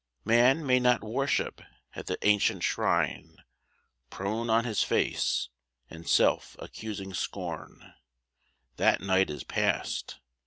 Man may not worship at the ancient shrine Prone on his face, in self accusing scorn. That night is past.